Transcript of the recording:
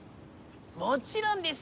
もちろんです。